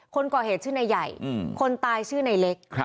คนก่อเหตุชื่อนายใหญ่คนตายชื่อนายเล็ก